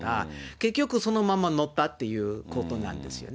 結局、そのままのったっていうことなんですよね。